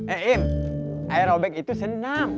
eh im aerobik itu senam